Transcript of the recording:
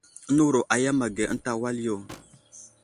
Nəwuro a yam age ənta wal yo.